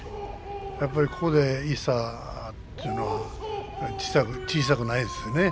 やっぱりここで１差というのは小さくないですね。